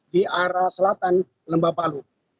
di arah selatan lembah palu